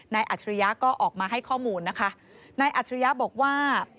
นายอัจทรยภัยบอกว่า